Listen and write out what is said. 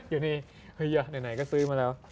อยู่นี่ไหนก็ซื้อกันแล้ว